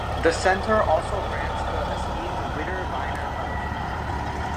The center also grants the esteemed Witter Bynner Fellowship.